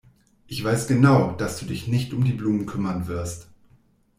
Ich weiß genau, dass du dich nicht um die Blumen kümmern wirst.